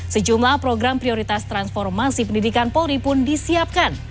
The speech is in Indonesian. sejumlah program prioritas transformasi pendidikan polri pun disiapkan